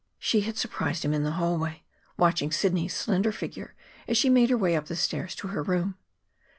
She had surprised him in the hallway, watching Sidney's slender figure as she made her way up the stairs to her room.